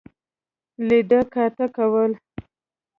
لیده کاته کول.